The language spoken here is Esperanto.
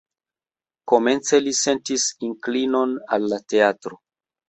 Komence li sentis inklinon al la teatro.